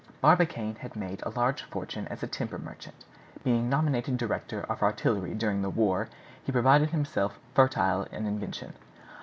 Barbicane had made a large fortune as a timber merchant. Being nominated director of artillery during the war, he proved himself fertile in invention.